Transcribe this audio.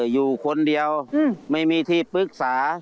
อยู่คนเดียวไม่มีที่ปรึกษา